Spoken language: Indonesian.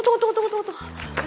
tunggu tunggu tunggu